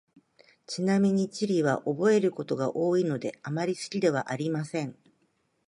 ちなみに、地理は覚えることが多いので、あまり好きではありません。